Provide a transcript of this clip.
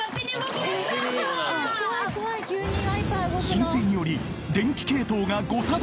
［浸水により電気系統が］